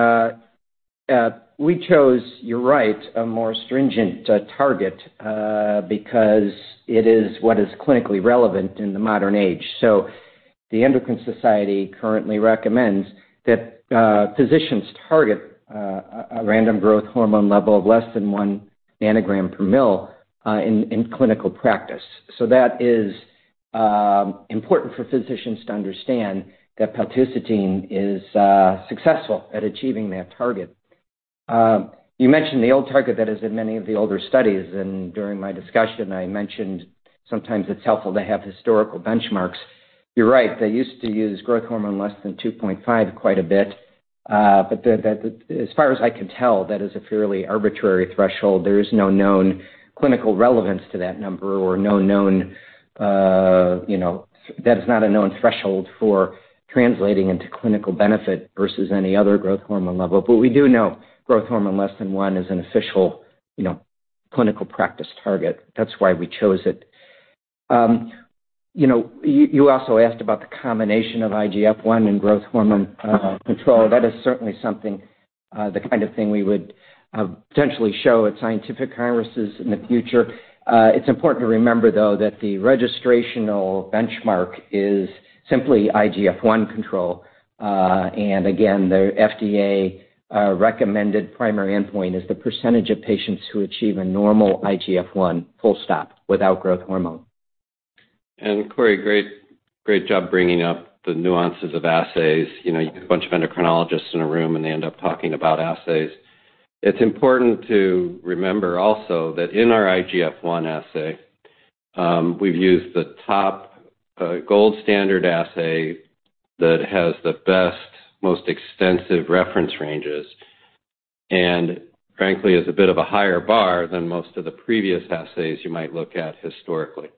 We chose, you're right, a more stringent target because it is what is clinically relevant in the modern age. So the Endocrine Society currently recommends that physicians target a random growth hormone level of less than 1 nanogram per ml in clinical practice. So that is important for physicians to understand that paltusotine is successful at achieving that target. You mentioned the old target that is in many of the older studies, and during my discussion, I mentioned sometimes it's helpful to have historical benchmarks. You're right, they used to use growth hormone less than 2.5 quite a bit, but the—as far as I can tell, that is a fairly arbitrary threshold. There is no known clinical relevance to that number or no known, you know, that is not a known threshold for translating into clinical benefit versus any other growth hormone level. But we do know growth hormone less than one is an official, you know, clinical practice target. That's why we chose it. You know, you also asked about the combination of IGF-1 and growth hormone control. That is certainly something, the kind of thing we would potentially show at scientific congresses in the future. It's important to remember, though, that the registrational benchmark is simply IGF-1 control. And again, the FDA recommended primary endpoint is the percentage of patients who achieve a normal IGF-1, full stop, without growth hormone. Cory, great, great job bringing up the nuances of assays. You know, you get a bunch of endocrinologists in a room, and they end up talking about assays. It's important to remember also that in our IGF-1 assay, we've used the top, gold standard assay that has the best, most extensive reference ranges, and frankly, is a bit of a higher bar than most of the previous assays you might look at historically.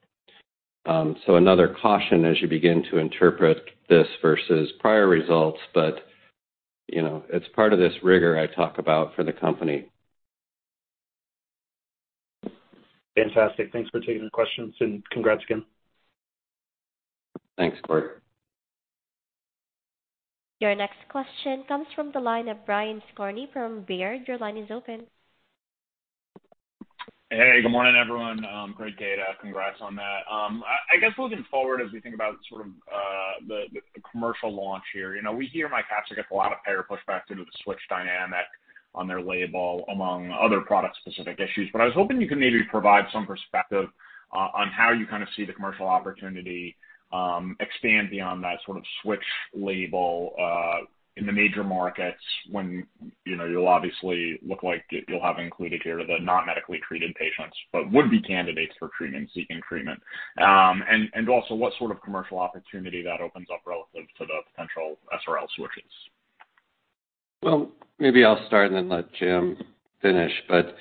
So another caution as you begin to interpret this versus prior results, but, you know, it's part of this rigor I talk about for the company. Fantastic. Thanks for taking the questions, and congrats again. Thanks, Cory. Your next question comes from the line of Brian Skorney from Baird. Your line is open. Hey, good morning, everyone. Great data. Congrats on that. I guess looking forward, as we think about sort of the commercial launch here, you know, we hear Mycapssa gets a lot of payer pushback due to the switch dynamic on their label, among other product-specific issues. But I was hoping you could maybe provide some perspective on how you kind of see the commercial opportunity expand beyond that sort of switch label in the major markets, when, you know, you'll obviously look like you'll have included here the non-medically treated patients, but would be candidates for treatment, seeking treatment. And also, what sort of commercial opportunity that opens up relative to the potential SRL switches? Well, maybe I'll start and then let Jim finish. But,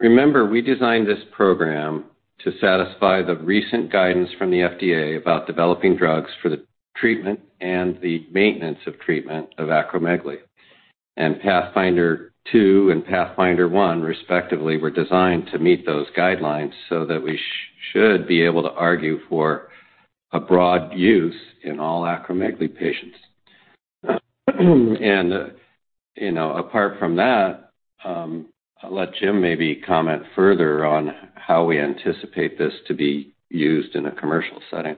remember, we designed this program to satisfy the recent guidance from the FDA about developing drugs for the treatment and the maintenance of treatment of acromegaly. And PATHFNDR-2 and PATHFNDR-1, respectively, were designed to meet those guidelines so that we should be able to argue for a broad use in all acromegaly patients. And, you know, apart from that, I'll let Jim maybe comment further on how we anticipate this to be used in a commercial setting.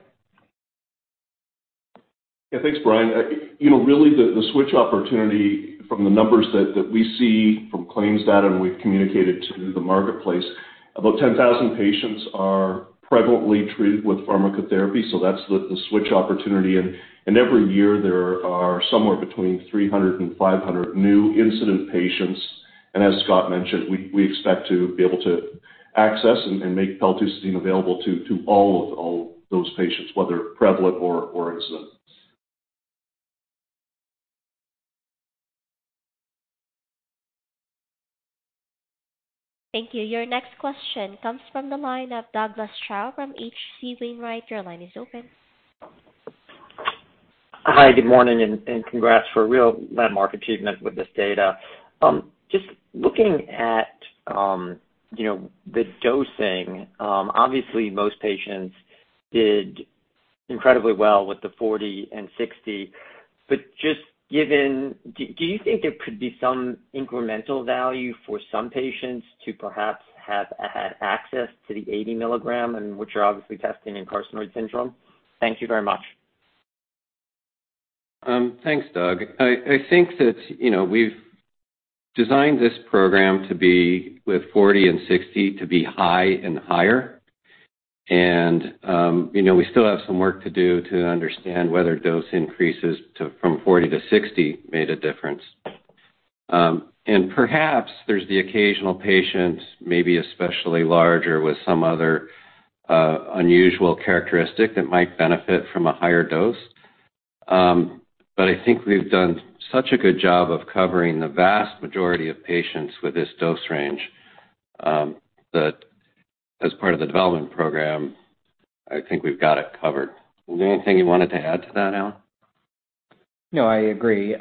Yeah, thanks, Brian. You know, really, the switch opportunity from the numbers that we see from claims data and we've communicated to the marketplace, about 10,000 patients are prevalently treated with pharmacotherapy, so that's the switch opportunity. And every year, there are somewhere between 300 and 500 new incident patients. And as Scott mentioned, we expect to be able to access and make paltusotine available to all of all those patients, whether prevalent or incident. Thank you. Your next question comes from the line of Douglas Tsao from H.C. Wainwright. Your line is open. Hi, good morning, and congrats for a real landmark achievement with this data. Just looking at, you know, the dosing, obviously, most patients did incredibly well with the 40 and 60, but just given... Do you think there could be some incremental value for some patients to perhaps have access to the 80 milligram, and which you're obviously testing in carcinoid syndrome? Thank you very much. Thanks, Doug. I think that, you know, we've designed this program to be with 40 and 60, to be high and higher. You know, we still have some work to do to understand whether dose increases to, from 40 to 60 made a difference. And perhaps there's the occasional patients, maybe especially larger with some other, unusual characteristic, that might benefit from a higher dose. But I think we've done such a good job of covering the vast majority of patients with this dose range, that as part of the development program, I think we've got it covered. Is there anything you wanted to add to that, Al? No, I agree.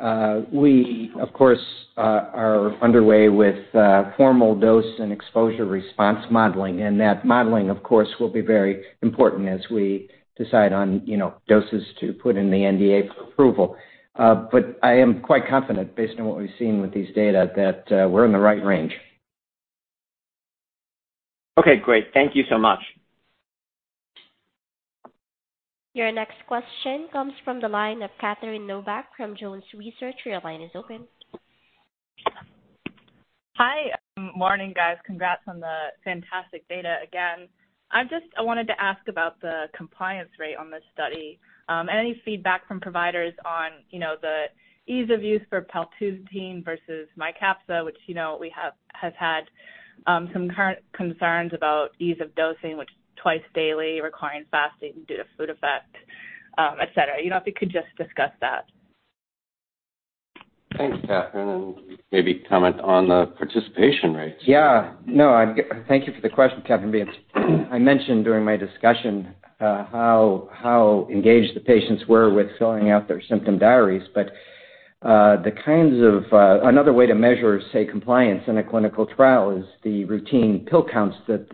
We, of course, are underway with formal dose and exposure response modeling, and that modeling, of course, will be very important as we decide on, you know, doses to put in the NDA for approval. But I am quite confident, based on what we've seen with these data, that we're in the right range. Okay, great. Thank you so much. Your next question comes from the line of Catherine Novack from Jones Research. Your line is open. Hi, morning, guys. Congrats on the fantastic data again. I wanted to ask about the compliance rate on this study, and any feedback from providers on, you know, the ease of use for paltusotine versus Mycapssa, which, you know, we have, has had, some current concerns about ease of dosing, which twice daily, requiring fasting due to food effect, et cetera. You know, if you could just discuss that. Thanks, Catherine, and maybe comment on the participation rates. Yeah. No, thank you for the question, Catherine. Because I mentioned during my discussion how engaged the patients were with filling out their symptom diaries. But another way to measure compliance in a clinical trial is the routine pill counts that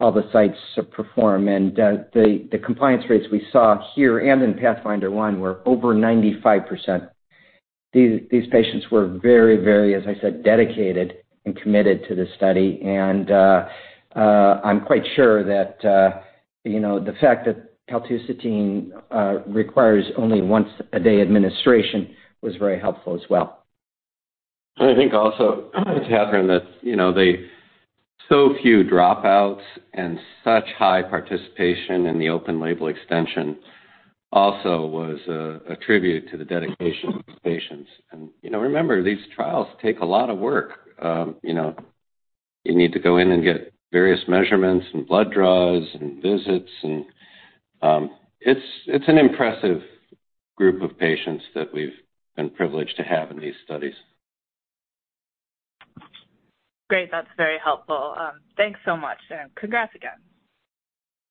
all the sites perform, and the compliance rates we saw here and in PATHFNDR-1 were over 95%. These patients were very, very, as I said, dedicated and committed to this study, and I'm quite sure that, you know, the fact that paltusotine requires only once a day administration was very helpful as well. I think also, Catherine, that, you know, the so few dropouts and such high participation in the open label extension also was a tribute to the dedication of these patients. And, you know, remember, these trials take a lot of work. You know, you need to go in and get various measurements and blood draws and visits, and it's an impressive group of patients that we've been privileged to have in these studies. Great, that's very helpful. Thanks so much, and congrats again.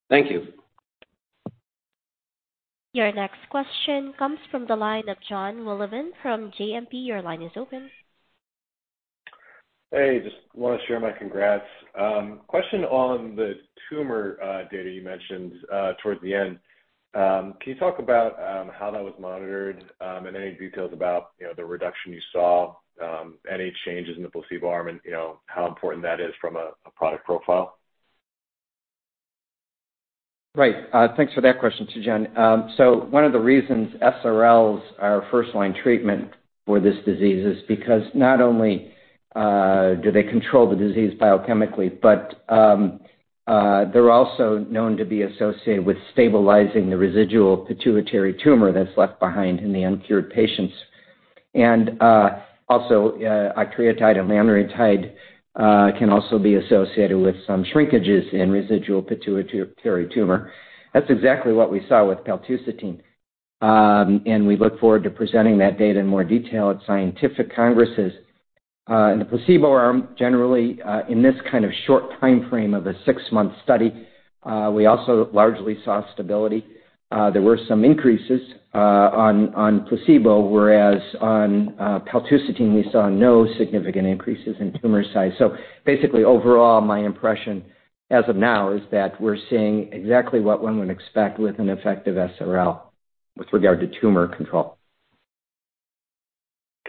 Thank you. Your next question comes from the line of Jon Wolleben from JMP. Your line is open. Hey, just wanna share my congrats. Question on the tumor data you mentioned towards the end. Can you talk about how that was monitored, and any details about, you know, the reduction you saw, any changes in the placebo arm, and, you know, how important that is from a product profile? Right. Thanks for that question, too, Jon. So one of the reasons SRLs are our first-line treatment for this disease is because not only do they control the disease biochemically, but they're also known to be associated with stabilizing the residual pituitary tumor that's left behind in the uncured patients. And also, octreotide and lanreotide can also be associated with some shrinkages in residual pituitary tumor. That's exactly what we saw with paltusotine. And we look forward to presenting that data in more detail at scientific congresses. In the placebo arm, generally, in this kind of short timeframe of a six-month study, we also largely saw stability. There were some increases on placebo, whereas on paltusotine, we saw no significant increases in tumor size. So basically, overall, my impression as of now is that we're seeing exactly what one would expect with an effective SRL with regard to tumor control.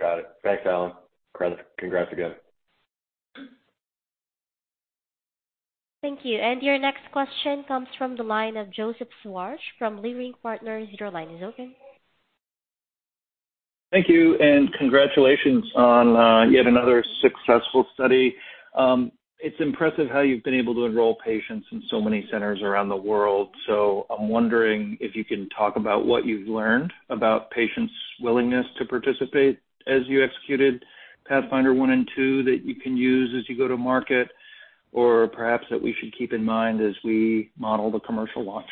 Got it. Thanks, Alan. Congrats, congrats again. Thank you. Your next question comes from the line of Joseph Schwartz from Leerink Partners. Your line is open. Thank you, and congratulations on yet another successful study. It's impressive how you've been able to enroll patients in so many centers around the world. So I'm wondering if you can talk about what you've learned about patients' willingness to participate as you executed PATHFNDR-1 and 2, that you can use as you go to market, or perhaps that we should keep in mind as we model the commercial launch.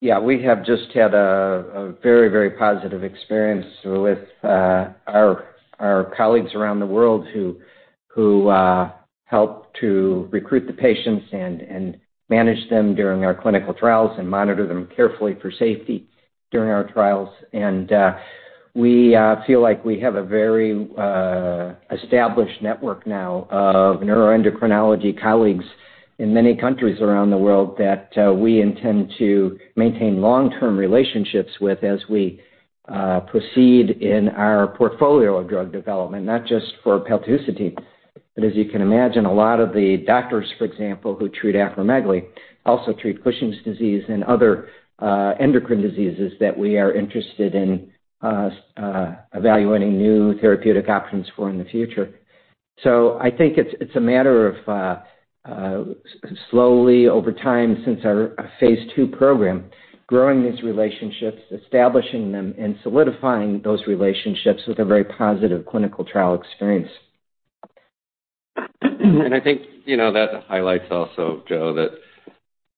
Yeah, we have just had a very positive experience with our colleagues around the world who helped to recruit the patients and manage them during our clinical trials and monitor them carefully for safety during our trials. And we feel like we have a very established network now of neuroendocrinology colleagues in many countries around the world that we intend to maintain long-term relationships with as we proceed in our portfolio of drug development, not just for paltusotine. But as you can imagine, a lot of the doctors, for example, who treat acromegaly, also treat Cushing's disease and other endocrine diseases that we are interested in evaluating new therapeutic options for in the future. So I think it's a matter of slowly over time since our phase II program, growing these relationships, establishing them, and solidifying those relationships with a very positive clinical trial experience. I think, you know, that highlights also, Joe, that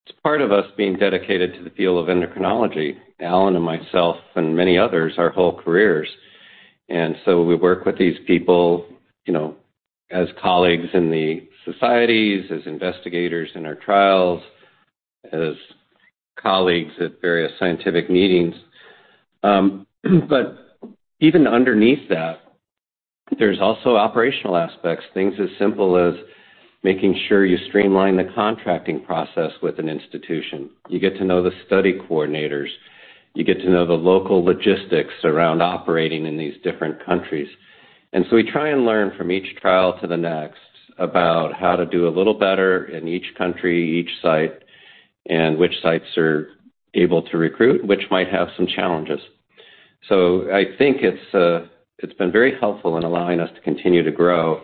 it's part of us being dedicated to the field of endocrinology, Alan and myself and many others, our whole careers. And so we work with these people, you know, as colleagues in the societies, as investigators in our trials, as colleagues at various scientific meetings. But even underneath that, there's also operational aspects, things as simple as making sure you streamline the contracting process with an institution. You get to know the study coordinators. You get to know the local logistics around operating in these different countries. And so we try and learn from each trial to the next about how to do a little better in each country, each site, and which sites are able to recruit, which might have some challenges. So I think it's, it's been very helpful in allowing us to continue to grow,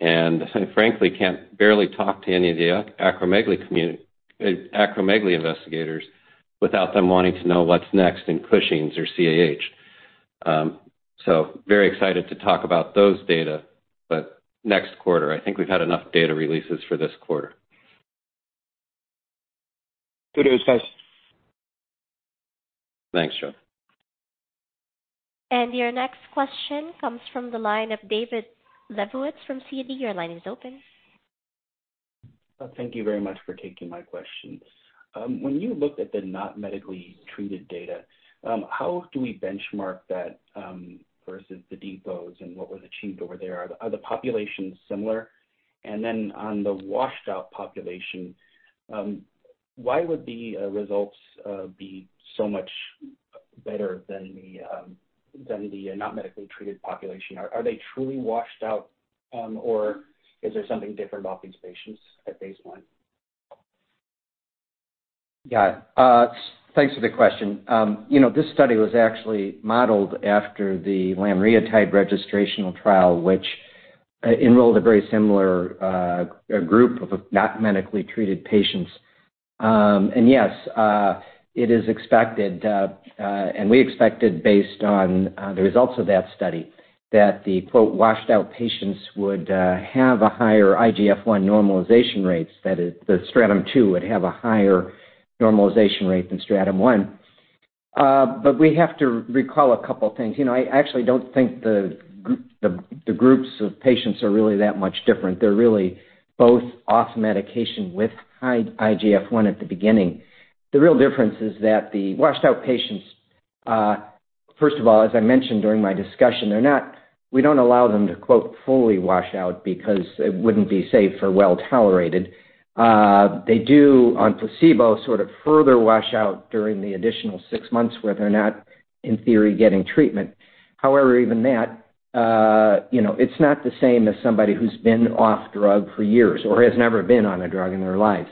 and frankly, can't barely talk to any of the acromegaly investigators without them wanting to know what's next in Cushing's or CAH. So very excited to talk about those data, but next quarter, I think we've had enough data releases for this quarter. Two days, guys. Thanks, Joe. Your next question comes from the line of David Lebowitz from Citi. Your line is open. Thank you very much for taking my questions. When you looked at the not medically treated data, how do we benchmark that versus the depots and what was achieved over there? Are the populations similar? And then on the washed out population, why would the results be so much better than the not medically treated population? Are they truly washed out, or is there something different about these patients at baseline? Yeah. Thanks for the question. You know, this study was actually modeled after the lanreotide registrational trial, which enrolled a very similar group of not medically treated patients. And yes, it is expected and we expected based on the results of that study, that the, quote, "washed out patients" would have a higher IGF-I normalization rates, that is, the Stratum 2 would have a higher normalization rate than Stratum 1. But we have to recall a couple things. You know, I actually don't think the groups of patients are really that much different. They're really both off medication with high IGF-I at the beginning. The real difference is that the washed out patients, first of all, as I mentioned during my discussion, they're not, we don't allow them to, quote, "fully wash out" because it wouldn't be safe or well-tolerated. They do, on placebo, sort of further wash out during the additional six months where they're not, in theory, getting treatment. However, even that, you know, it's not the same as somebody who's been off drug for years or has never been on a drug in their life.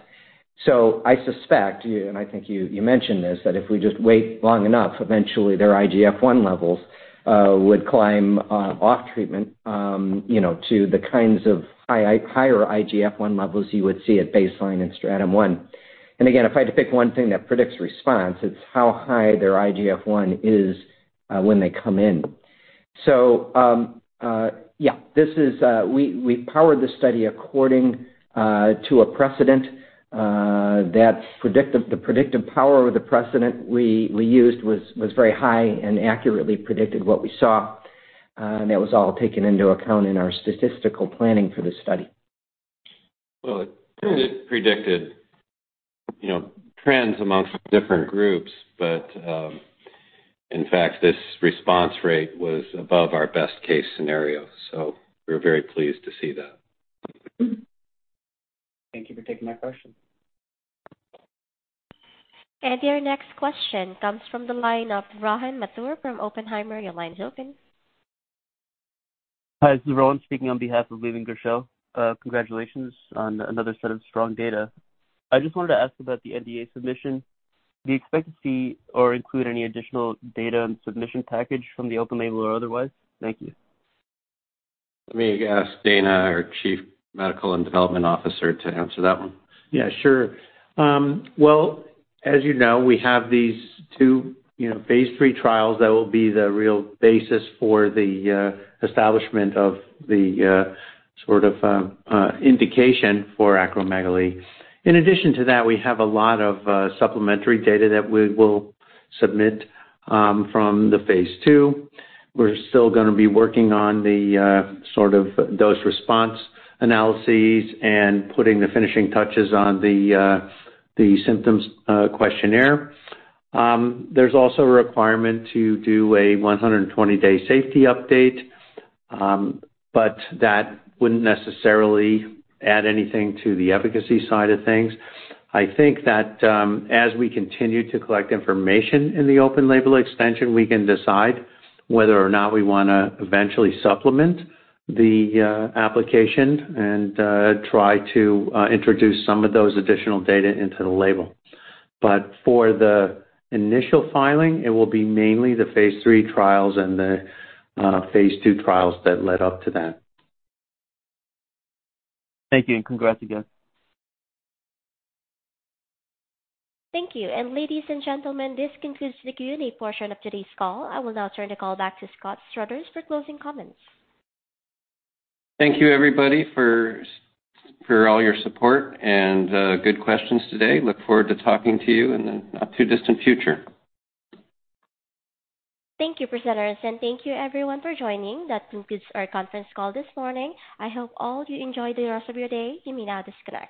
So I suspect, you and I think you, you mentioned this, that if we just wait long enough, eventually their IGF-I levels would climb, off treatment, you know, to the kinds of higher IGF-I levels you would see at baseline in stratum one. And again, if I had to pick one thing that predicts response, it's how high their IGF-I is when they come in. So, yeah, this is, we powered this study according to a precedent that predictive. The predictive power or the precedent we used was very high and accurately predicted what we saw, and that was all taken into account in our statistical planning for the study. Well, it predicted, you know, trends among different groups, but, in fact, this response rate was above our best-case scenario, so we're very pleased to see that. Thank you for taking my question. Your next question comes from the line of Rohan Mathur from Oppenheimer. Your line is open. Hi, this is Rohan speaking on behalf of Venu Garikipati. Congratulations on another set of strong data. I just wanted to ask about the NDA submission. Do you expect to see or include any additional data and submission package from the open label or otherwise? Thank you. Let me ask Dana, our Chief Medical and Development Officer, to answer that one. Yeah, sure. Well, as you know, we have these two, you know, phase III trials that will be the real basis for the establishment of the sort of indication for acromegaly. In addition to that, we have a lot of supplementary data that we will submit from the phase II. We're still gonna be working on the sort of dose response analyses and putting the finishing touches on the the symptoms questionnaire. There's also a requirement to do a 120-day safety update, but that wouldn't necessarily add anything to the efficacy side of things. I think that, as we continue to collect information in the open label extension, we can decide whether or not we wanna eventually supplement the, application and, try to, introduce some of those additional data into the label. But for the initial filing, it will be mainly the phase III trials and the, phase II trials that led up to that. Thank you, and congrats again. Thank you. Ladies and gentlemen, this concludes the Q&A portion of today's call. I will now turn the call back to Scott Struthers for closing comments. Thank you, everybody, for all your support and good questions today. Look forward to talking to you in the not too distant future. Thank you, presenters, and thank you everyone for joining. That concludes our conference call this morning. I hope all of you enjoy the rest of your day. You may now disconnect.